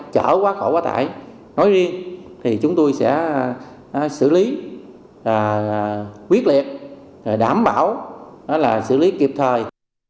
chở quá khổ quá tải nói riêng thì chúng tôi sẽ xử lý quyết liệt đảm bảo là xử lý kịp thời